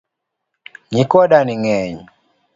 Nyikwa dani ng'eny